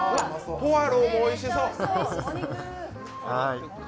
ポワローもおいしそう。